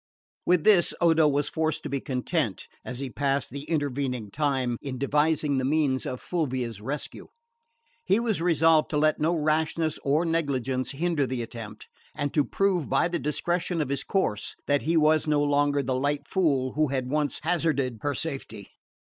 3.5. With this Odo was forced to be content; and he passed the intervening time in devising the means of Fulvia's rescue. He was resolved to let no rashness or negligence hinder the attempt, and to prove, by the discretion of his course, that he was no longer the light fool who had once hazarded her safety.